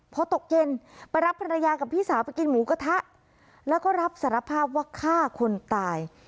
พอตกเย็นไปรับภรรยากับพี่สาวไปกินหมูกระทะแล้วก็รับสารภาพว่าฆ่าคนตาย